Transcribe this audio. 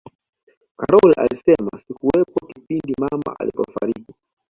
karol alisema sikuwepo kipindi mama alipofariki